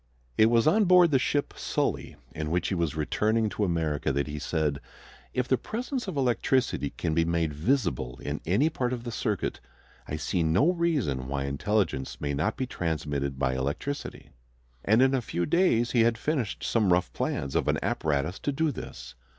It was on board the ship Sully, in which he was returning to America, that he said, "If the presence of electricity can be made visible in any part of the circuit, I see no reason why intelligence may not be transmitted by electricity." And in a few days he had finished some rough plans of an apparatus to do this.